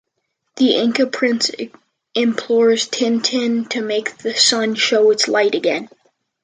The Inca prince implores Tintin to make the Sun show its light again.